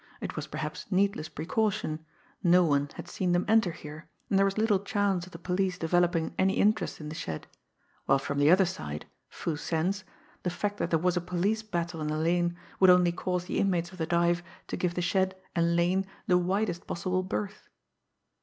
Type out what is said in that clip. It was, perhaps, needless precaution. No one had seen them enter here, and there was little chance of the police developing any interest in the shed; while from the other side Foo Sen's the fact that there was a police battle in the lane would only cause the inmates of the dive to give the shed and lane the widest possible berth!